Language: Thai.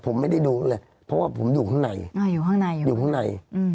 ผมไม่ได้ดูเลยเพราะว่าผมอยู่ข้างในอยู่ข้างในอยู่ข้างใน